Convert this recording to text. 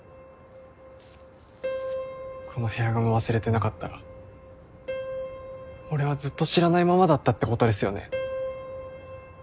このヘアゴム忘れてなかったら俺はずっと知らないままだったってことですよね